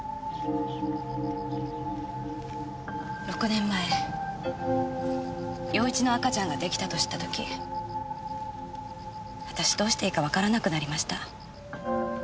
６年前陽一の赤ちゃんが出来たと知った時私どうしていいかわからなくなりました。